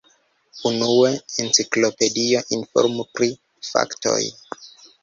Unue, enciklopedio informu pri faktoj.